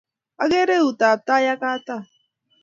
Ageere eut ab tai ak katam